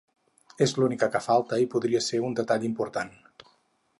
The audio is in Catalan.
És l'única que falta i podria ser un detall important.